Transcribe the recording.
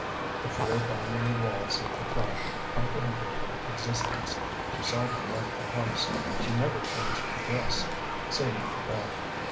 The four boundary walls of the flat comprehended her existence; she seldom left the house; she never changed her dress save for bed.